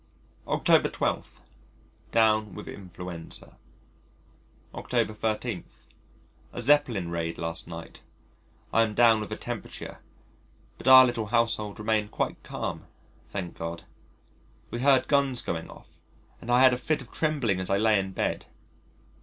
October 12. Down with influenza. October 13. A Zeppelin raid last night. I am down with a temperature, but our little household remained quite calm, thank God. We heard guns going off, and I had a fit of trembling as I lay in bed.